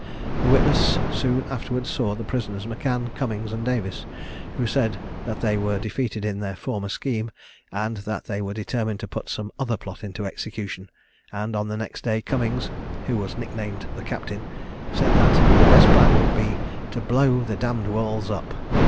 The witness soon afterwards saw the prisoners M'Can, Cummings and Davis, who said that they were defeated in their former scheme, and that they were determined to put some other plot into execution; and, on the next day, Cummings, who was nick named "the Captain," said that the best plan would be "to blow the d d walls up."